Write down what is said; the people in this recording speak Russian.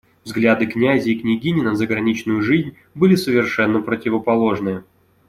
Взгляды князя и княгини на заграничную жизнь были совершенно противоположные.